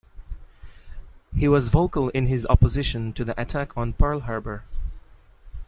He was vocal in his opposition to the attack on Pearl Harbor.